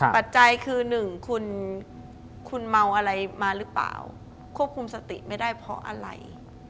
ปัจจัยคือหนึ่งคุณเมาอะไรมาหรือเปล่าควบคุมสติไม่ได้เพราะอะไร